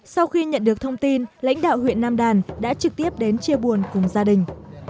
sau khi nhận được thông tin lãnh đạo huyện nam đàn đã trực tiếp đến chia buồn cùng gia đình